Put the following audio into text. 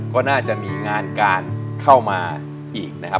ก็น่าจะมีงานการเข้ามาอีกนะครับ